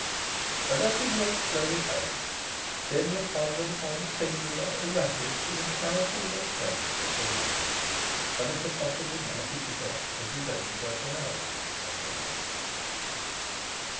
And as he walked slowly home Denry pondered upon the singular, erratic, incalculable strangeness of woman, and of the possibly magic effect of his own personality on women.